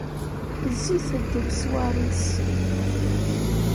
Zzit-d i leṣwar-is.